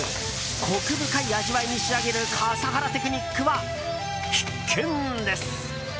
コク深い味わいに仕上げる笠原テクニックは必見です。